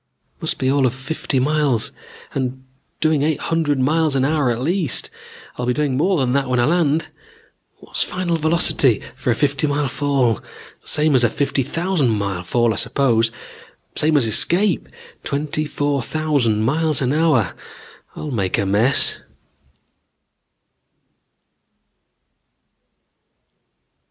Must be all of fifty miles, and doing eight hundred miles an hour at least. I'll be doing more than that when I land. What's final velocity for a fifty mile fall? Same as a fifty thousand mile fall, I suppose; same as escape; twenty four thousand miles an hour. I'll make a mess